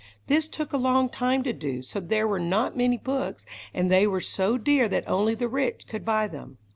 This took a long time to do, so there were not many books, and they were so dear that only the rich could buy them.